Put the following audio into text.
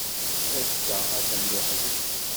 Ass-a, atan d uḥdiq.